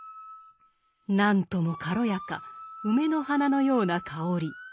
何とも軽やか梅の花のような香り。